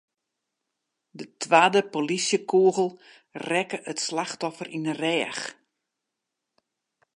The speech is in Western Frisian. De twadde polysjekûgel rekke it slachtoffer yn 'e rêch.